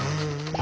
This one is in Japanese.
あ！